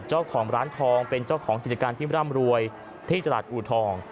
เจ้าของร้านทองเป็นเจ้าของกิจการที่ร่ำรวยที่ตลาดอูทอง